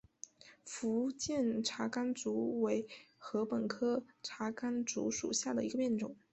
福建茶竿竹为禾本科茶秆竹属下的一个变种。